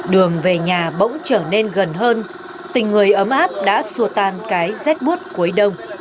đường về nhà bỗng trở nên gần hơn tình người ấm áp đã xua tan cái rét bút cuối đông